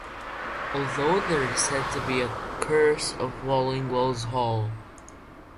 Although there is said to be a "Curse of Wallingwells Hall".